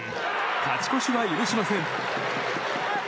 勝ち越しは許しません。